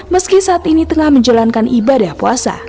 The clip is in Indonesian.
meski saat ini tengah menjalankan ibadah puasa